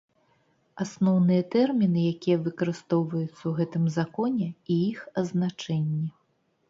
Асноўныя тэрмiны, якiя выкарыстоўваюцца ў гэтым Законе, i iх азначэннi.